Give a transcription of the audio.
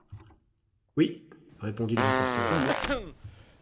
Oui, répondit le reporter